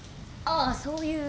ああそういう。